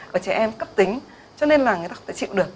và trẻ em cấp tính cho nên là người ta không thể chịu được